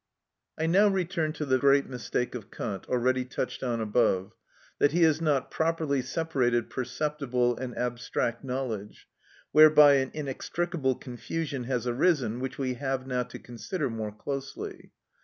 I now return to the great mistake of Kant, already touched on above, that he has not properly separated perceptible and abstract knowledge, whereby an inextricable confusion has arisen which we have now to consider more closely.